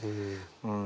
うん。